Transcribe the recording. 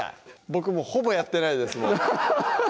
僕もうほぼやってないです